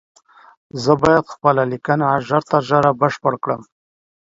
زه بايد خپله ليکنه ژر تر ژره بشپړه کړم